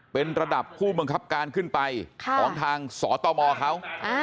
เป็นระดับผู้บังคับการขึ้นไปของทางสตมเขา